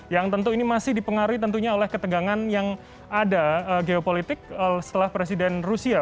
yang tentu ini masih dipengaruhi tentunya oleh ketegangan yang ada geopolitik setelah presiden rusia